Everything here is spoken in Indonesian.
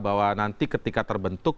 bahwa nanti ketika terbentuk